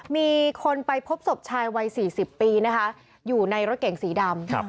มีคนไปพบศพชายวัย๔๐ปีนะคะอยู่ในรถเก่งสีดำ